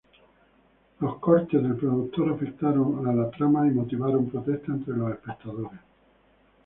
Los cortes del productor afectaron la trama y motivaron protestas entre los espectadores.